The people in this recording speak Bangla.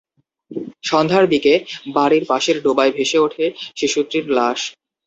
সন্ধ্যার দিকে বাড়ির পাশের ডোবায় ভেসে ওঠে শিশুটির লাশ।